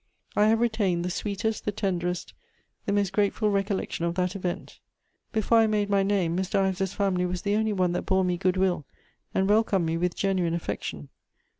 I have retained the sweetest, the tenderest, the most grateful recollection of that event. Before I made my name, Mr. Ives's family was the only one that bore me good will and welcomed me with genuine affection.